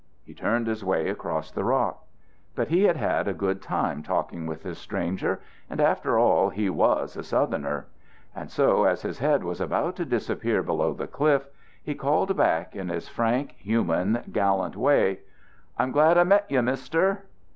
He turned his way across the rock. But he had had a good time talking with this stranger, and, after all, he was a Southerner; and so, as his head was about to disappear below the cliff, he called back in his frank human gallant way: "I'm glad I met you, Mister."